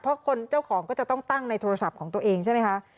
เพราะคนเจ้าของก็จะต้องตั้งในโทรศัพท์ของตัวเองใช่ไหมคะ